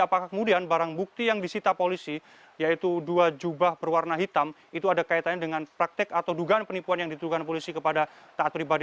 apakah kemudian barang bukti yang disita polisi yaitu dua jubah berwarna hitam itu ada kaitannya dengan praktek atau dugaan penipuan yang dituduhkan polisi kepada taat pribadi